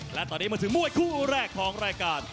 และตอนนี้มาถึงมวยคู่แรกของรายการ